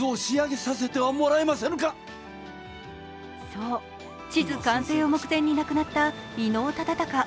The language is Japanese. そう、地図完成を目前に亡くなった伊能忠敬。